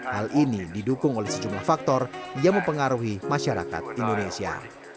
hal ini didukung oleh sejumlah faktor yang mempengaruhi masyarakat indonesia